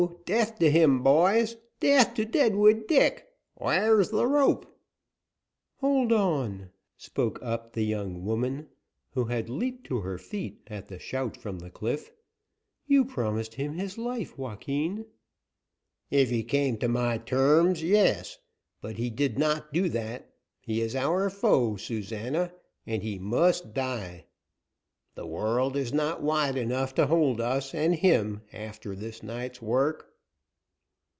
Death to him, boys; death to Deadwood Dick! Where is the rope?" "Hold on," spoke up the young woman, who had leaped to her feet at the shout from the cliff. "You promised him his life, Joaquin." "If he came to my terms, yes, but he did not do that. He is our foe, Susana, and he must die. The world is not wide enough to hold us and him, after this night's work."